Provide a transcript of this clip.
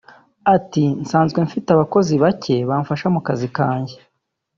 Ati “Nsanzwe mfite abakozi bake bamfasha mu kazi kanjye